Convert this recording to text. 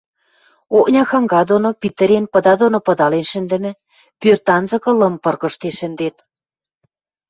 Окня ханга доно питӹрен, пыда доно пыдален шӹндӹмӹ, пӧртанцыкы лым пыргыжтен шӹнден.